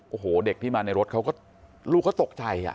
โอ้โหเด็กที่มาในรถเขาก็ลูกเขาตกใจ